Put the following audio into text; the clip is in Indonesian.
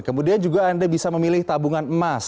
kemudian juga anda bisa memilih tabungan emas